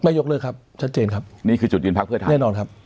ยกเลิกครับชัดเจนครับนี่คือจุดยืนพักเพื่อไทยแน่นอนครับ